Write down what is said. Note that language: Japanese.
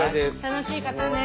楽しい方ね。